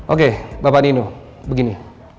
oke bapak nino begini